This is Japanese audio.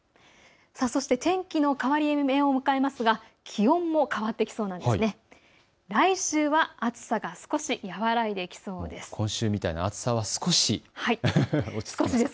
そして天気も変わり目を迎えますが気温も変わってきそうなんです。